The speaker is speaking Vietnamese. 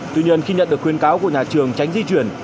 tuy nhiên khi nhận được khuyên cáo của nhà trường tránh di chuyển